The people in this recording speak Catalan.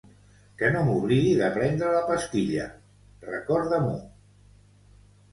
Que no m'oblidi de prendre la pastilla, recorda-m'ho.